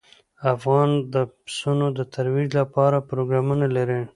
افغانستان د پسونو د ترویج لپاره پروګرامونه لري.